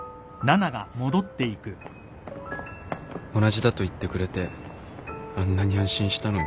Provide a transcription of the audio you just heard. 同じだと言ってくれてあんなに安心したのに